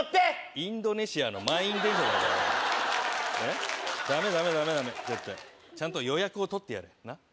インドネシアの満員電車じゃないかこれえっ？ダメダメダメダメ絶対ちゃんと予約を取ってやれなっ？